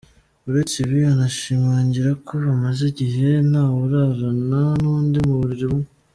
Uretse ibi, anashimangira ko bamaze igihe ntawurarana n’undi mu buriri bumwe.